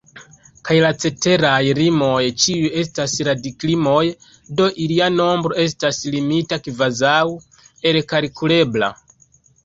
Kaj la ceteraj rimoj ĉiuj estas radikrimoj, do ilia nombro estas limita, kvazaŭ elkalkulebla.